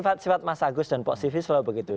karena sifat mas agus dan pak sivis selalu begitu